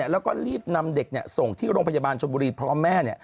แล้วก็รีบนำเด็กส่งที่โรงพยาบาลชนบุรีพร้อมแม่